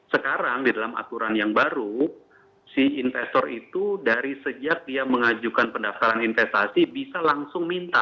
sekarang di dalam aturan yang baru si investor itu dari sejak dia mengajukan pendaftaran investasi bisa langsung minta